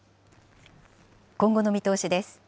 今後の見通しです。